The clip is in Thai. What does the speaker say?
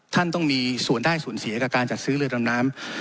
ท่านต้องมีส่วนได้ส่วนเสียกับการจัดซื้อเรือดำน้ำ